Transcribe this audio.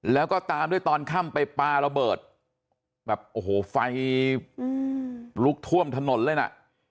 แล้วก็ตามด้วยตอนค่ำไปปลาระเบิดแบบโอ้โหไฟลุกท่วมถนนเลยน่ะ